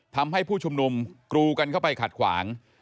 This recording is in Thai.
ผู้ชุมนุมกรูกันเข้าไปขัดขวาง